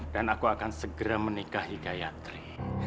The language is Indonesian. dan aku akan segera menikahi gayatri